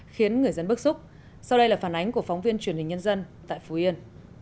khiến người dân bức xúc sau đây là phản ánh của phóng viên truyền hình nhân dân tại phú yên